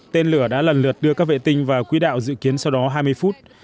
tên lửa đã lần lượt đưa các vệ tinh vào quỹ đạo dự kiến sau đó hai mươi phút